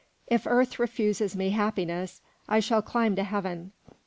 If earth refuses me happiness, I shall climb to heaven.